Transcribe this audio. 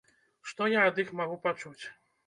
Што я ад іх магу пачуць?